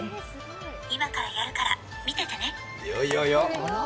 今からやるから見ててね。